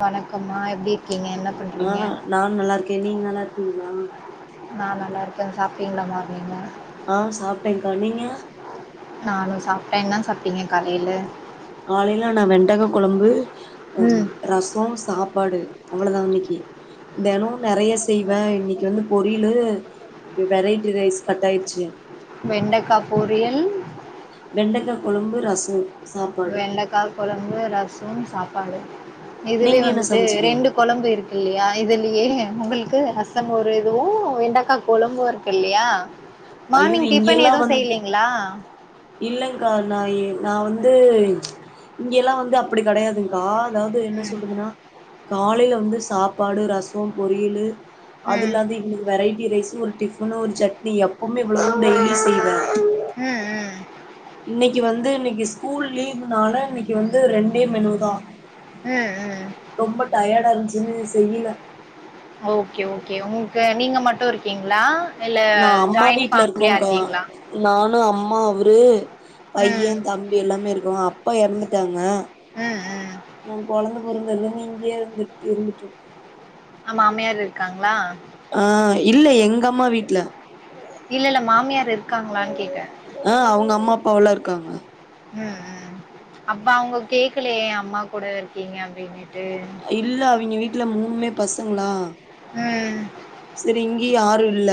வணக்கம்மா எப்டி இரிக் ஆ நான் நல்லா இருக்கே நீங்க நல்லா இருக்கீங்ளா நா நல்லாருக்கே சாப்பிடிங்கலாம்மா நீங்க அ சாப்பிட்டேங்கா நீங்க இப்ப என்ன சாப்ட்டீங்க காலைல காலைல நா வெண்டகா குழம்பு உம் ம். ரசோ சாப் ப்பாடு அவ்வுளதா இன்னிக்கு தெனவு நெறைய செய்வே இன்னிக்கு வந்து பொரியிலு வெரைட்டி ரைஸ் கட்டாயிடுச்சு வெண்டக்கா பொரியல் வெண்டக்கா கொழம்பு ரசோ சாப்பாடு வெண்டக்கா கொழம்பு ரசம் சாப் பாடு இதுவே நீங்க என்ன வந்துட்டு சமச்சீங்க ரெண்டு கொழம்பு இருக்குல்லியா இதுலியே உங்குளுக் க்கு ரசம் ஒரு இதுவு வெண்டக்கா குழம்பு இருக்குல்லியா ஐயோ மார்னிங் டிஃபன் எதுவு செய்லீங்களா இல்லங்கா நா எய் நா வந்து இங்கி எல்லா வந்து அப்டி கெடையாதுக்கா அதாவுது என்ன ம். சொல்றதுன்னா காலையில வந்து சாப்பாடு ரசோம் பொரியலு ம். அதுல்ல அது இன்னிக் வெரைட்டி ரைஸ் ஒரு டிஃபன் ஒரு சட்னி எப்பவுமே இவ்வுளோதா டெய்லி செய்வே ம் ம் இன்னைக்கு வந்து இன்னக்கி ஸ்கூல் லீவுனால இன்னக்கி வந்து ரெண் டே மெனுதா ம். ம். ரொம்ப டயர்டா இருந்ச்சுனு தெய்யில ஓகே ஓகே உங்களுக்கு நீங்க மட்டு இருக்கீங்ளா நா அம்மா வீட்ல இருக்கோங்க்கா நானு அம்மா அவுரு பைய ம். தம்பி எல்லாமே இருக்கோ அப் ப்பா எறந்துட்டாங்க ம், ம். எ கொழந்த பொறந்தோன இங்கே இருந்துட் இருந்துட்டோ அஹ் மாமியார் இருக்காங்ளா ஆஹ் இல்ல எங் அப் இல்ல இல்ல மாமியார் இருக்காங்ளான் கேக்க அவலா இருக்காங்க உம் உம் அப்ப அவ்ங்க கேக்கல ஏ அம்மா கூட இருக்கீங்க அப்டி இப்டின் இல்ல அவிங்க வீட் ட்ல மூணுமே பசங்ளா உம் இங்க யாரு இல்ல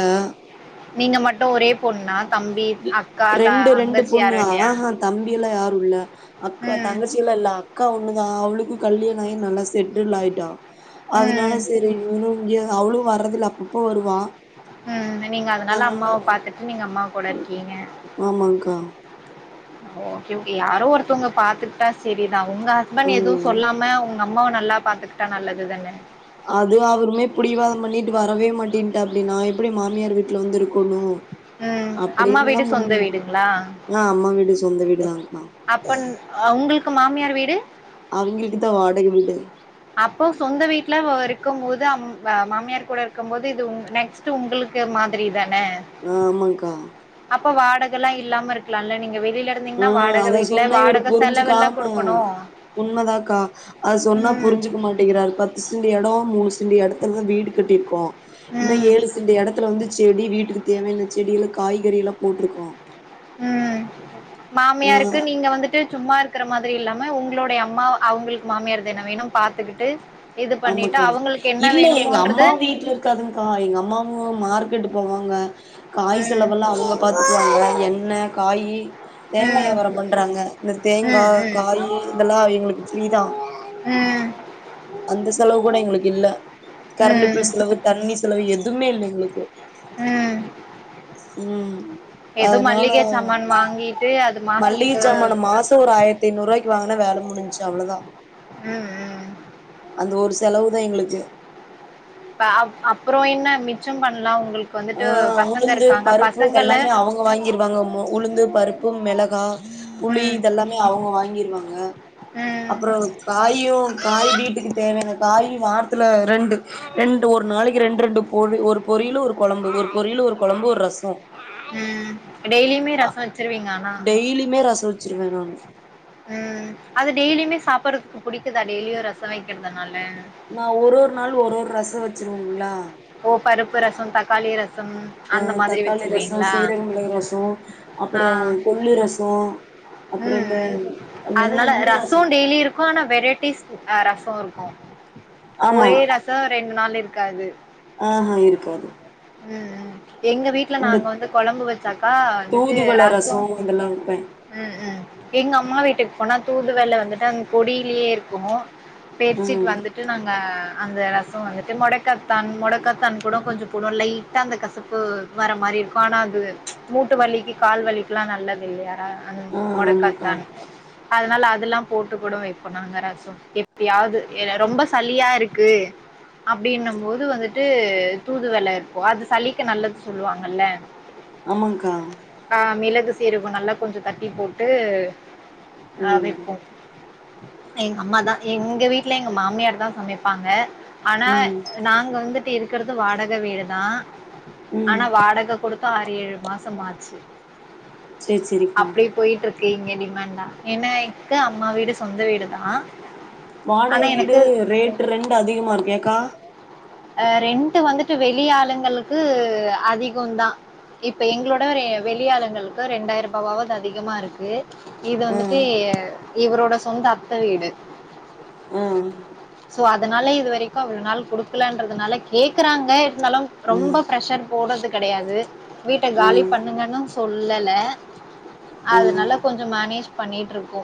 நீங்க மட்டு ஒரே பொண்ணா தம்பி, அக்கா, த ரெண்டு ரெண்டு தங்கச்சி பொண்ணு யாரும் இல்லையா? ஆஹா தம்பி எல்லா யார் இல்ல அக்கா ம். தங்கச்சியெல்லா இல்ல அக்கா ஒன் னுதா அவளுக்கு கல்யாண ஆயி நல்லா செட்டில் ஆயிட்டா ம். அதுனால செரி இவ்ளு இங்கெ அவளு வரதில்ல அப்பப்ப வருவா உம் நீ நீங்க அதனால அம்மாவ பாத்துட்டு நீங்க அம்மாவ போல இருக்கீங்க ஆமாங்க்கா ஒகே ஓகே யாரோ ஒருத்தவ்ங்க பாத்துக்டா செரி தா உங்க ஹஸ்பண்ட் எதுவு ம் சொல்லாம உங் அம்மாவ நல்லா பாத்துக்கிட்டா நல்லது தானே அது அவருமே புடிவாதம் பண்ணிட்டு வரவே மாட்டேன்ட்டாப்டி நா எப்டி மாமியார் வீட்ல வந்து இருக்கணு ம் அம்மா அப்டின்லா வீடு சொந்த ஒன்னு இல்ல வீடுங்களா எ அம்மா வீடு சொந்த வீடுதாங்க அப்பன் அஹ் உங்களுக்கு மாமியார் வீடு அவிங்களுக்கு தா [inaudible] அப்ப சொந்த வீட்ல வ இருக்கும் போது அம் வ மாமியார் கூட இருக்கும் போது இது உங் நெக்ஸ்ட்டு உங்களுக்கு மாதிரி தா ஆமாங்க்கா இப்ப வாடகலெல்லாம் இல்லாம இருக்கலாம்ல்ல நீங்க வெளிய ம் அத சொன்னா இவர் புரிஞ்சுக்காம குடுக்கணு உண்மதாக்கா அத சொன்னா ம் புரிஞ்சுக்க மாட் டேங்கிறாரு பத்து செண்டு இடம் மூணு செண்டு எடத்துல தான் வீடு கட்டிருக்கோம் இன்னு ம் ஏழு செண்டு எடத்துல வந்து செடி வீட்டுக் தேவையான செடில காய்கறி எல்லாம் போட்டுருக்கோம் ம் மாமியாருக்கு நீங்க வந்துட்டு சும்மா இருக்கிற மாதிரி இல்லாம உங்களுடைய அம்மா அவுங்களுக்கு மாமியார் தான வேணும் பாத்துக்கிட்டு இது பண்ணிட்டு ஆமாக்கா அவங்களுக்கு என்ன இல்ல எங்க வேணுமோன்றது அம்மா வீட்டுல இருக்காதுங்கா எங்க அம்மா பூ மார்க்கெட்டு போவாங்க காய் ம் செலவெல்லா அவுங்க பாத்துக்குவாங்க என்ன காய் தேங்கா ம் வியாபாரம் பண்றாங்க இந்த தேங்கா ம் காய் இதெல்லா எங்களுக்கு ப்ரீதான் ம் ம் செலவு கூட எங்களுக்கு இல்ல கரண்டு பில் ம் செலவு தண்ணி செலவு எதுவுமே இல்ல எங்களுக்கு ம் உம் ஏதோ அதனால மல்லிகை சாமான் வாங்கிட்டு அது மளிக மாசத்துக்கு ஜாமானா மாசம் ஒரு ஆயிரத்த ஐநூறு ரூபாய்க்கு வாங்குனா வேலை முடிஞ் சு அவ்ளோதா உஹம் உம் அந்த ஒரு செலவுதான் எங்களுக்கு பப் அப்றம் என்ன மிச்சம் பண்ணலாம் உங்களு ஆஹ் உளுந்து பருப்பு இதெல்லாமே அவுங்க வாங்கிருவாங்க அம்மு உளுந்து பருப்பு மிளகா புளி ம் இதெல்லாமே அவுங்க வாங்கிருவாங்க ம் அப்புறம் காயும் காய் வீட்டுக்கு தேவையான காயு வாரத்துல ரெண்டு ரெண்டு ஒரு நாளைக்கு ரெண்டு ரெண்டு பொ ஒரு பொரியில் ஒரு கொழம்பு ஒரு பொரியலு ஒரு கொழம்பு ஒரு ரசம் உஹம் டெய்லியுமே ரசம் வச்சிருவீங்க ஆனா டெய்லியுமே ரச வச்சிருவேன் நானு உஹம் அது டெய்லியுமே சாப்பிடடுறதுக்கு புடிக்குதா டெய்லியும் ரசம் வைக்கிறதுனால நான் ஒரு ஒரு நாள் ஒரு ஒரு ரசம் வச்சிருவங்களா ஓ பருப்பு ரசம் தக்காளி ரசம் ஆ அந்த மாதிரி தக்காளி ரசோ வச்சிருவீங்களா சீரக மிளகு ரசோ அப்புறோ ஆஹ் கொள்ளு ரசோ அப்புறோ உம் இந்த ம் அந்த என்ன அதனால இந்த ரசோ ரசம் டெய்லி இருக்கும் ஆனா வெரைட்டிஸ்ம் ஆ ர சோ இருக்கு ஆமா ஒரே ரசம் ரெண்டு நாள் இருக்காது ஆஹ்ஹ இருக்காது உஹம் எங்க வீட்டுல இந்த நாங்க வந்து குழம்பு வச்சாக்கா வந்துட்டு தூதுவள ரசோ ரசம் இதெல்லா வெப்பே உம் உம் எங்க அம்மா வீட்டுக்கு அப்பனா தூதுவள வந்துட்டு அந்த கொடியிலயே இருக்கும் பேர்ச்சிட்டு ம் வந்துட்டு நாங்க அந்த ரசோ வந்துட்டு மொடக்கத்தான் மொட க்கத்தான் கூட கொஞ்சோ போடுவோ லைட்டா அந்த கசப்பு வர மாரி இருக்கு, ஆனா அது மூட்டு வலிக்கு கால் வலிக்கெல்லா நல்லது இல்லியா அந்த ஆ ஆமாக்கா மொடக்கத்தான் அதனால அதெல்லா போட்டு கூட வைப்போ நாங்க ரசம் எப்பயாவது ரொம்ப சளியா இருக்கு அப்டின்னும்போது வந்து ட்டு தூதுவள வப்போ அது சளிக்கு நல்லது சொல்லுவாங்கல்ல ஆமாங்க்கா ஆ மிளகு சீரகோ நல்லா கொஞ்ச தட்டி போட்டு ஆ ம் வெப்போ எங்க அம்மாதா எங்க வீட்ல எங்க மாமியார்தா சமைப்பாங்க ஆனா ம் நாங்க வந்து ட்டு இருக்கறது வாடக வீடுதா ம் ஆனா வாடக குடுத் து ஆறு ஏழு மாசம் ஆச்சு சேரி சேரிக்கா க்கு இங்க டிமாண்ட்தா என்ன இங்க அம்மா வீடு சொந்த வீடுதா வாடக ஆனா வீடு எனக்கு ரேட்டு ரெண்டு அதிகமா இருக்கு ஏக்கா அ ரெண்ட் வந்துட்டு வெளி ஆளுங்களுக்கு அதிகோந்தா இப்ப எங்ளோட வர வெளி ஆளுங்களுக்கு ரெண்டாயிரரூபாவது அதிகமா இருக்கு இது ஆ வந்துட்டு இவரோட சொந்த அத்த வீடு ம் சோ அதனாலே இதுவரைக்கு அவ்ளோ நாள் குடு க்லன்றதுனால கேக்குறாங்க இருந்தாலு ம் ரொம்ப பிரஷர் போட்றதுக் கடையாது வீட்ட காலி ம் பண்ணுங்கனு சொல்லல ம் அதனால கொஞ்சோ மேனேஜ் பண்ணிட்ருக்கோ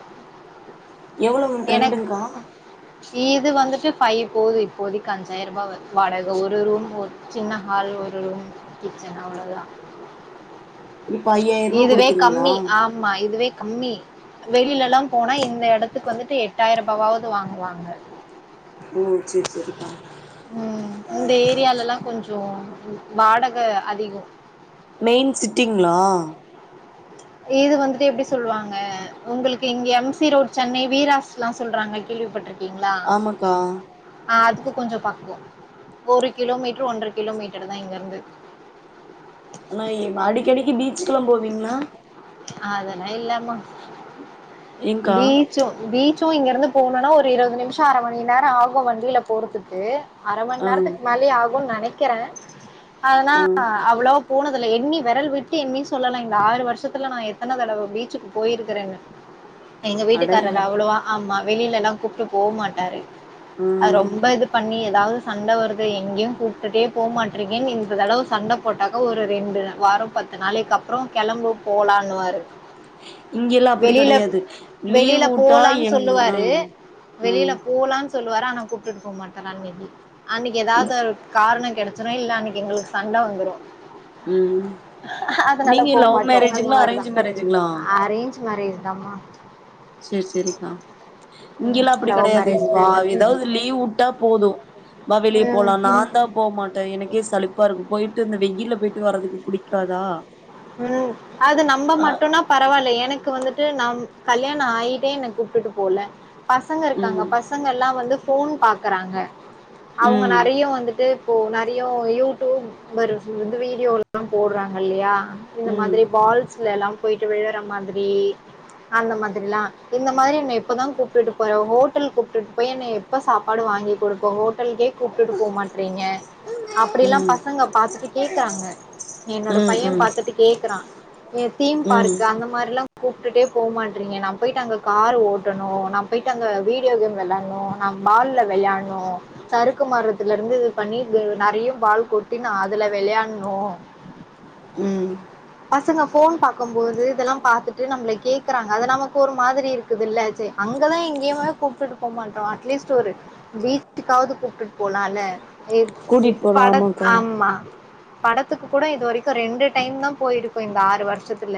எவ்வளவு ரெண்ட்ங்க்கா இது வந்துட்டு ஃபைவ் போது இப்போதிக்கு அஞ்சு சாயரரூபா வருது வாடக ஒரு ரூம் ஒரு சின்ன ஹால் ஒரு ரூம் கிச்சன் அவ்ளோதா இப்ப ஐயாயிரூபா இதுவே குடுக்குறீங்களா கம்மி ஆமா இதுவே கம்மி வெளில எல்லா போனா இந்த எடத்துக்கு வந்துட்டு எட்டாயிரரூபாவது வாங்குவாங்க ஓ செரி செரிக்கா ம் இந்த ஏரியாலலா கொஞ்சோ வாடக அதிகோ மெயின் சிட்டிங்ளா இது வந்துட்டு எப்டி சொல்லுவாங்க உங்களுக்கு இங்க எம் சி ரோடு் சென்னை வீராஸ்ல்லா சொல்றாங்க கேள்விப்பட்டிருக் கீங்களா ஆமாக்கா ஆஹ் அது து கொஞ்சோ பக்கோ ஒரு கிலோமீட்டர் ஒன்ற கிலோமீட்டர் தா இங்க இருந்து ஆனா அடிக்கடிக்கு பீச்சுக்கெல்லா போவீங்களா அ அதலா இல்லமா ஏங்க்கா பீச்சு பீ சோ இங்க இருந்து போனனா ஒரு இருவது நிமிஷோ அர மணி நேரோ ஆகு வண்டில போறதுக்கு அர மண் ஆ நேரத்துக் மேலயே ஆகுன் நெனைக் கிறேன் அதனா ஆ அவ்ளோ போனதுல்ல எண்ணி விரல் விட்டு எண்ணி சொல்லலாம் இந்த ஆறு வருஷத் த்துல நான் எத்தன தடவ பீச்சுக்கு போயிருக்கறேன்னு எங்க அடை வீட்டுக்காரர் அவ்ளோவா ஆமா வெளிலல்லாம் கூப்ட்டு போக மாட்டாரு. ஆ அது ரொம்ப இது பண்ணி எதாவது சண்ட வருது எங்கயும் கூப்டுட்டே போக மாட்ரிகனு இந்த தடவ சண்டை போட்டாக்க ஒரு ரெண்டு வாரம் பத்து நாளைக்கு அப்புறம் கிளம்பு போலானுவாரு இங்கெல்லாம் அப்டி கெடையாது. லீவ் வெளியில உட்டா போலான்னு எங் சொல்லுவாரு ஆஹ் வெளியில ஆஹ் போலான்னு சொல்லுவாரு ஆன கூப்டுட்டு போக மாட்டாரு அன்னக்கி அன்னக்கி ஏதாவது ஒரு காரண கெடச்சிரு இல்ல அன்னக்கி எங்களுக்கு சண்ட வந்துரும் உம் அதனால நீங்க போக லவ் மேரேஜ் ஜுங்ளா அரேஞ்சு மேரேஞ்சுங்களா ஜ் மேரேஜ் தாமா சர் சரிக்கா இங்கெல்லாம் அப்டி லவ் கெடையாது. வா மேரேஜ்லாம் இல்ல ஏதாவது லீவ் வுட்டா போதும் வா வெளிய ம், போலாம் நான் தான் போமாட்டேன் எனக்கே சலிப்பா இருக்கும். போயிட்டு இந்த வெயில்ல போயிட்டு வர்றதுக்கு புடிக்காதா உம் அது நம்ம ஆ மட்டுனா பரவால்ல எனக் க்கு வந்துட்டு நம் கல்யாணம் ஆயிட்டே என்ன கூப்டுட்டு போல பசங்க இருக்காங்க ம் பசங்க எல்லாம் வந்து ஃபோன் பாக்கறாங்க அவங்க ம் நெறைய வந்துட்டு இப்போ நெறைய யூடியூப் வருசு வந்து வீடியோல்லாம் போடுறாங்க இல்லையா இந்த ம் மாதிரி பால்ஸ்ல எல்லா போயிட்டு விழுற மாதிரி அந்த மாதிரிலா, இந்த மாதிரி என்ன எப்பதா கூப்புட்டுட்டு போற ஹோட்டல் கூப்புட்டுட்டு போய் என்ன எப்ப சாப்பாடு வாங்கி குடுப்ப ஹோட்டலுக்கே கூப்ட்டுட்டு போ மாட்றீங்க அப்படி எல்லா ம் பசங்க பாத்துட்டு கேக்குறாங்க என்னோட பைய ம் பாத்துட்டு க்குறா ஏ தீம் ம் பார்க் அந்த மாரில்லா கூப்ட்டுட்டே போ மாட்டறீங்க. நா போயிட்டு அங்க கார் ஓட்டணு நா போயிட்டு அங்க வீடியோ கேம் வெளாட்ணு, நா பால்ல வெளையாட்ணு சறுக்கு மரத்துல இருந்து இது பண்ணி இது நறைய பால் கொட்டி நா அதுல வெளையாட்னு ம் ம் பசங்க ஃபோன் பாக்கும்போது இதெல்லா பாத்துட்டு நம்பள கேக்குறாங்க அது நமக்கு ஒரு மாதிரி இருக்குது இல்ல சேரி அங்கதா எங்கேயுமே கூப்பிட்டு போமாட்றோ, அட்லீஸ்ட் ஒரு பீச்சுக்காவது கூப்ட்டுட்டு போலால்ல. இது கூட்டிட்டு போலா பட ஆமாக்கா ஆமா படத்துக்கு கூட இது வரைக்கு ரெண்டு டைம் தா போயிருக்கு இந்த ஆறு வருஷத்துல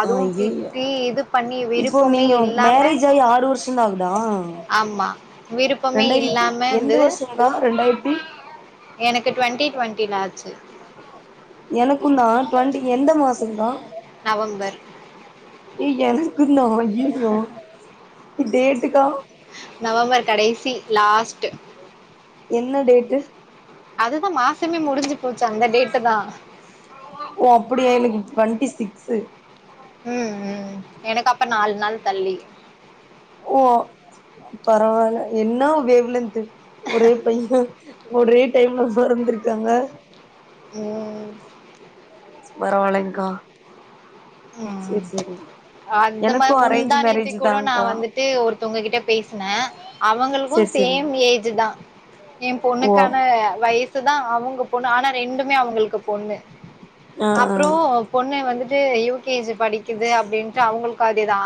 அதுவும் ஐயையோ திட்டி இது பண்ணி இப்போ விருப்பமே நீங்க இல்லாம மேரேஜ் ஆகி ஆறு வருஷந்தா ஆகுதா ஆமா விருப்பமே ரெண்டாயிரத்தி இல்லாம எந்த வந்து வருஷங்கா ரெண்டாயிரத்தி எனக்கு டுவெண்டி டுவெண்டில ஆச்சு எனக்குந்தா டவெண்டி எந்த மாசோன்கா நவம்பர் நா ஐய்யையோ டேட்டுக்கா நவம்பர் கடைசி லாஸ்ட் என்ன டேட்டு அதுதா மாசமே முடிஞ்சு போச்சு அந்த டேட்டு தா ஓ அப்டியா எனக்கு டுவெண்டி சிக்ஸ்சு ம் ம் எனக்கு அப்ப நாலு நாள் தள்ளி ஓ பரவாயில்ல என்ன வேவ்லென்து ஒரே பைய ஒரே ஏம்லஸ்ஸா இருந்திருக்காங்க உம் பரவலைங்கா ம் ம் அந்த எனக்கு மாரி அரேஞ்ச் முந்தா மேரேஜ் நேத்திகூட நா தான்க்கா வந்துட்டு ஒரு ஒருத்தவங்கிட்ட பேசின அவங்களுக்கு செரி செரி சேம் ஏஜ்ஜு தா எ ஓ பொண்ணுக்கான வயசு த்துதா அவங்க பொண்ணு ஆனா ரெண்டுமே அவங்களுக்கு பொண்ணு ஆ ஆ அப்புறோ பொண்ணு வந்துட்டு து யு கேஜி படிக்குது அப்படின்ட்டு அவங்களுக்கு அதேதா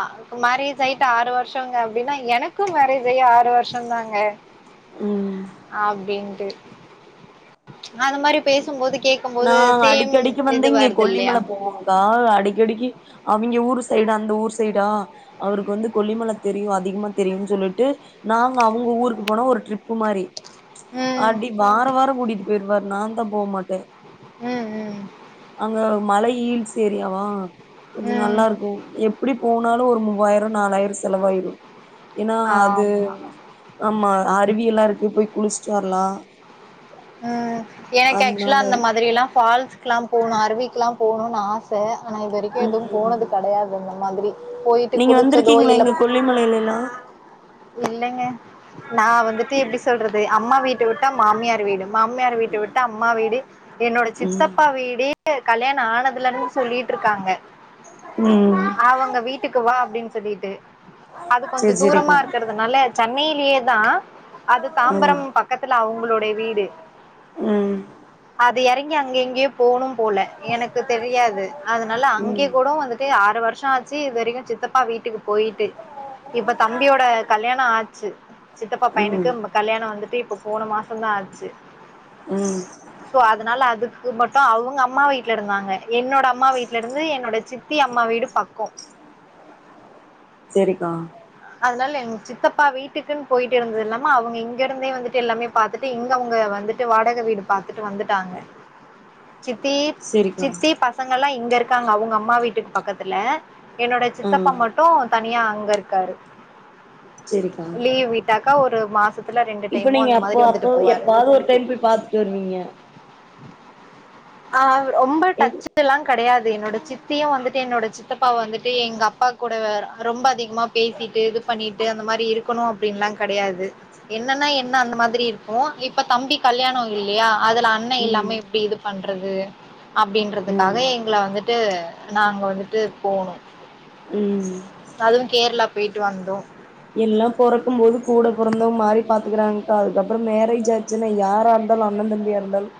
மேரேஜ் ஆயிட்டு ஆறு வருஷங்க அப்படின்னா எனக்கு மேரேஜ் ஆயி ஆறு வருஷோந்தாங்க ம் அப்படின்ட்டு அந்த மாரி பேசும்போது கேக்கும்போது நாங்க சேம் அடிக்கடிக்கு இது வருது இல்லையா கடிக்கு அவிங்க ஊர் சைடு அந்த ஊர் சைடு ஆ அவருக்கு வந்து கொல்லிமல தெரியு அதிகமா தெரியுனு சொல்லிட்டு நாங்க அவங்க ஊருக்கு போனா ஒரு ட்ரிப்பு மாரி ம். அப்படி வாரோ வாரோ கூடிப் இருவர் நாம் போமாட்ட ம், ம், அங்க மலை யில்ஸ் ஏரியாவா கொஞ்சு ம். நல்லா இருக்கு எப்பிடி போணு இருந்தாலு ஒரு மூவாயிரோ நாலாயிரோ செலவாயிரு ஏன்னா அது ஆமா. ஆமா அருவியெல்லா இருக் கு போய் குளிச்சுட்டு வரலா உம் எனக்கு ஆக்சுவலா அதனால அந்த மாதிரி எல்லாம் பால் ச்க்லா போனு, அருவிக்குலா போணுனு ஆச ஆனா இது வரைக்கு எதுவும் போனது கடையாது அந்த மாதிரி போயிட்டு நீங்க குளிச்சதோ வந்திருக்கீங்களா இல்ல எங்க கொல்லிமலைலலா இல்லைங்க நா வந்துட்டு எப்டி சொல்றது அம்மா வீட்ட விட்டா மாமியார் வீடு மாமியார் வீட்ட விட்டா அம்மா வீடு என்னோட ம் சித்தப்பா வீடே கல்யாண ஆனதுல இருந்து சொல்லிட்டு இருக்காங்க ம் அவங்க வீட்டுக்கு வா அப்டின்னு சொல்லிட்டு அது கொஞ்சோ சேரி தூரமா சேரிக்கா இருக்கறதுனால சென்னை யிலேதா அது ம் தாம்பரம் பக்கத்துல அவங்களுடைய வீடு ம் அது எறங்கி அங்க எங்கயே போனு போல எனக்கு தெரியாது அதனால அங்கே ம் கூட வந்துட்டு ஆறுவ ருஷ ஆச்சு இது வரைக்கு சித்தப்பா வீட்டுக்கு போயிட்டு இப்ப தம்பியோட கல்யாண ஆச்சு சித்தப்பா ம் பையனுக்கு ப கல்யாண வந்துட்டு இப்ப போன மாசந்தா ஆச்சு ம் சோ அதனால அது கு மட்டு அவங்க அம்மா வீட்ல இருந்தாங்க என்னோட அம்மா வீட்ல இருந்து என்னோட சித்தி அம்மா வீடு பக்கோ ரிக்கா அத்னால எங் சித்தப்பா வீட்டுக்குன் போயிட்டிருந்தது இல்லாம அவ்ங்க இங்கேருந்தே வந்துட்டு எல்லாமே பாத்துட்டு இங்க அவ்ங்க வந்துட்டு வாடக வீடு பாத்துட்டு வந்துட்டாங்க சித்தீ சேரிக்கா சித்தி பசங்கல்லா இங்க இருக் இருக்காங்க அவுங்க அம்மா வீட்டுக் பக்கத்துல என்னோட சித்தப்பா ம் மட்டு தனியா அங் வ ருக்காரு சேரிக்கா லீவு விட்டாக் கஒரு மாசதுக் இப்ப நீங்க அப்போ அப்ப எப்பாவது ஒரு டைம் போய் பாத்துட்டு வருவீங்க ஆஹ் ரொம்ப எங் டச் எல்லாம் கிடையாது என்னோட சித்தியும் வந்துட் என்னோட சித்தப்பா வந்துட்டு எங்க அப்பா கூட ரொம்ப அதிகமா பேசி சிட்டு பண்ணிட்டு அந்த மாரி இருக்கு இருக்கணும் அப்டின்லாம் கிடையாது என்னன்னா என்ன அந்த மாதிரி இருக்கும் இப்ப தம்பி கல்யாணம் இல்லையா அதுல அண்ணன் ம் இல்லாமே எப்டி இது பண் றது அப்டின்றதுக்காக எங்கள வந்துட்டு நாங்க வந்துட்டு போனோம் ம் ம் தலும் கேரளா போயிட்டு வந்தோம் எல்லாம் பொறக்கும் போது கூட பிறந்தவங்க மாறி பாத்துக்கிறாங்கக்கா அதுக்கப்புறோ மேரேஜ் ஆச்சுன்னா யாரா இருந்தாலும் அண்ணன் தம்பியா இருந்தாலும்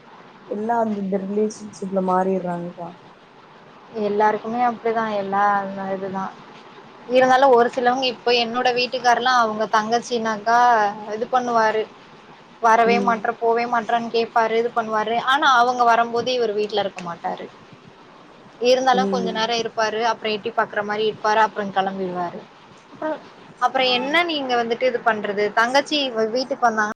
எல்லாம் அந்த ரிலேஷன்ஷிப்ல மாறிறாங்கக்கா எல்லாருக்குமே அப்டிதான் எல்லாம் இதுதான் இருந்தாலும் ஒரு சிலவங்க இப்ப என்னோட வீட்டுக்காரல்லாம் அவங்க தங்கச்சினாக்கா இது பண்ணுவாரு வரவே ம் மாட்ற போவே மாட்ற னு கேட்பாரு இது பண்ணுவாரு ஆனா அவங்க வரும்போது இவர் வீட்டுல இருக்க மாட்டாரு இருந்தாலு கொஞ்சோ ம் நேரம் இருப்பாரு அப்புற சுட்டி பாக்குற மாரி இருப்பாரு அப்புறோம் கிளம்பிடுரு வாரு அப்புறோ என்ன நீங்க வந்து பண்றது தங்கச்சி வீட் பண்ணா